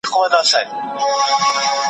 کږه لار منزل نلري.